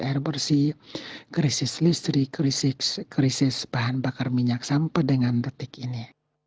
air bersih krisis listrik krisis bahan bakar minyak sampai dengan detik ini